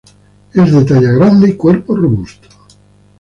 Es de talla grande y cuerpo robusto.